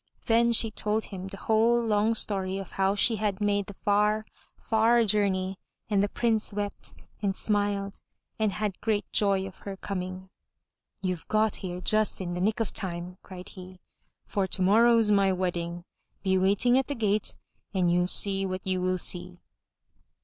Then she told him the whole long story of how she had made the far, far journey and the Prince wept and smiled and had great joy of her coming. 'Tou've got here just in the nick of time," cried he, for to morrow's my wedding. Be waiting at the gate and you'll see what you will see."